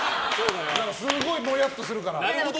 すごい、もやっとするから。